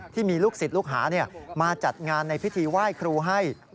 ที่มีลูกศิษย์ลูกหามาจัดงานในพิธีไหว้ครูให้